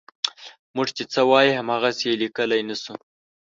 موږ چې څه وایو هماغسې یې لیکلی نه شو.